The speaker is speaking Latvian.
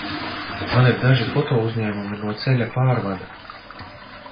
Man ir daži fotouzņēmumi no ceļa pārvada.